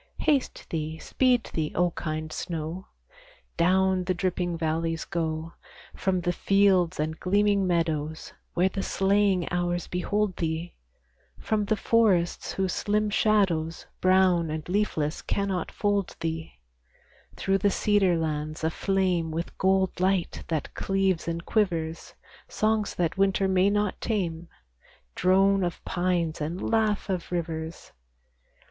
Haste thee, speed thee, O kind snow; Down the dripping valleys go, From the fields and gleaming meadows, Where the slaying hours behold thee, From the forests whose slim shadows, Brown and leafless cannot fold thee, Through the cedar lands aflame With gold light that cleaves and quivers, Songs that winter may not tame, Drone of pines and laugh of rivers.